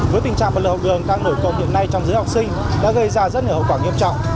với tình trạng vận lực học đường đang nổi cộng hiện nay trong giới học sinh đã gây ra rất nhiều hậu quả nghiêm trọng